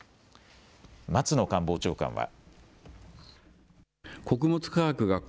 松野官房長官は。